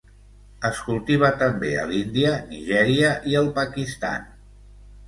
Es cultiva també a l'Índia, Nigèria i el Pakistan.